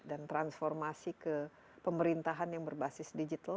dan transformasi ke pemerintahan yang berbasis digital